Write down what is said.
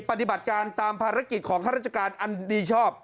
ปฏิบัติการตามภารกิจของข้าราชการอันดีชอบ